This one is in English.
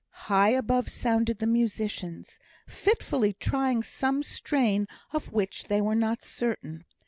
High above sounded the musicians, fitfully trying some strain of which they were not certain.